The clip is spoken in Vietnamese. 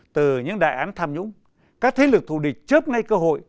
từ những đại án tham nhũng các thế lực thù địch chớp ngay cơ hội